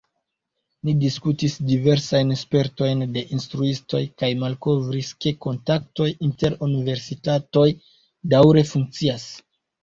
Ni diskutis diversajn spertojn de instruistoj, kaj malkovris, ke kontaktoj inter universitatoj daŭre funkcias.